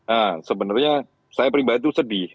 nah sebenarnya saya pribadi sedih